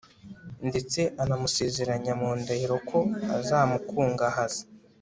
ndetse anamusezeranya mu ndahiro ko azamukungahaza